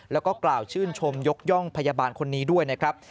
แล้วก็กล่าวชื่นชมยกย่องพยาบาลคนนี้ด้วยนะครับ